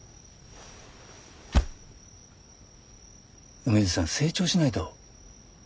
梅津さん成長しないと。